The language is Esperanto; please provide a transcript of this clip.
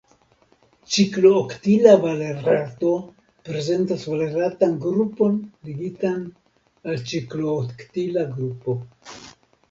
Ciklooktila valerato prezentas valeratan grupon ligitan al ciklooktila grupo.